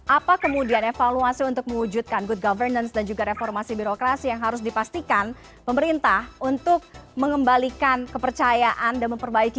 apa kemudian evaluasi untuk mewujudkan good governance dan juga reformasi birokrasi yang harus dipastikan pemerintah untuk mengembalikan kepercayaan dan memperbaiki